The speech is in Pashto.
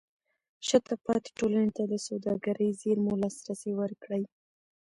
شاته پاتې ټولنې ته د سوداګرۍ زېرمو لاسرسی ورکړئ.